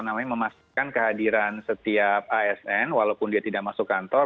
namanya memastikan kehadiran setiap asn walaupun dia tidak masuk kantor